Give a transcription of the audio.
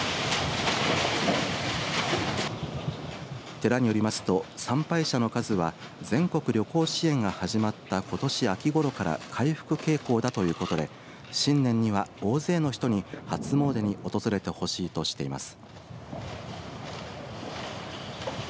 寺によりますと参拝者の数は全国旅行支援が始まったことし秋ごろから回復傾向だということで新年には、大勢の人に初詣に訪れてほしいとしています。